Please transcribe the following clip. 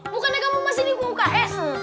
bukannya kamu masih di kuks